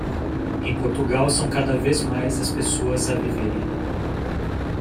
Em Portugal, são cada vez mais as pessoas a viverem.